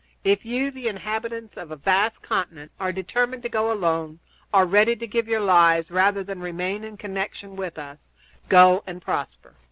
If you, the inhabitants of a vast continent, are determined to go alone, are ready to give your lives rather than remain in connection with us, go and prosper.